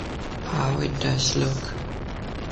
How it does look!